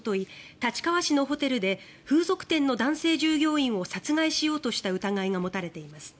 立川市のホテルで風俗店の男性従業員を殺害しようとした疑いが持たれています。